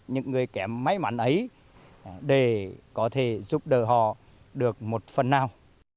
những người kém may mắn ấy để có thể giúp đỡ họ được một phần nào